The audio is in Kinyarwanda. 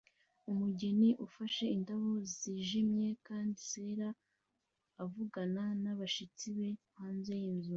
Umugeni ufashe indabyo zijimye kandi zera avugana nabashyitsi be hanze yinzu